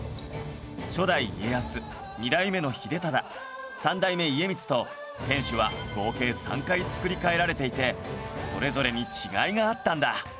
初代家康２代目の秀忠３代目家光と天守は合計３回造り替えられていてそれぞれに違いがあったんだ